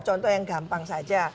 contoh yang gampang saja